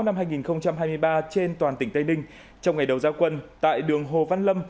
năm hai nghìn hai mươi ba trên toàn tỉnh tây ninh trong ngày đầu giao quân tại đường hồ văn lâm